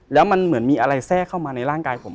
แล้วมันเหมือนมีอะไรแทรกเข้ามาในร่างกายผม